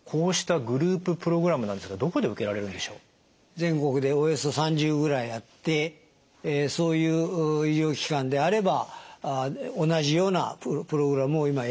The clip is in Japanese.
全国でおよそ３０ぐらいあってそういう医療機関であれば同じようなプログラムを今やるようにしています。